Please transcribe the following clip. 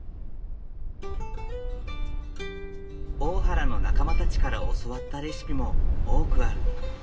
大原の仲間たちから教わったレシピも多くある。